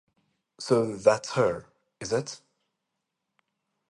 So that's her, is it?